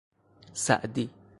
سعدی